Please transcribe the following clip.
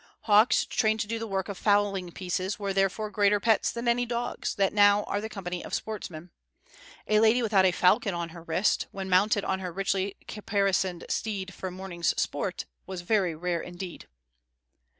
Hawks trained to do the work of fowling pieces were therefore greater pets than any dogs that now are the company of sportsmen. A lady without a falcon on her wrist, when mounted on her richly caparisoned steed for a morning's sport, was very rare indeed.